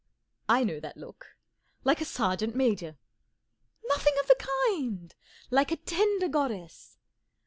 44 I know that look. Like a sergeant major." 44 Nothing of the kind I Like a tender goddess."